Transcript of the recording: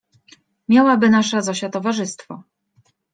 Miałaby nasza Zosia towarzystwo.